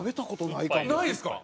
ないですか？